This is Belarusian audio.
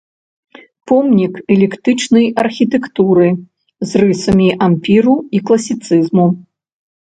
Помнік эклектычнай архітэктуры з рысамі ампіру і класіцызму.